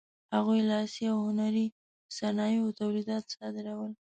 هغوی لاسي او هنري صنایعو تولیدات صادرول.